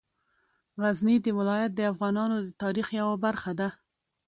غزني ولایت د افغانانو د تاریخ یوه برخه ده.